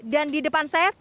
dan di depan saya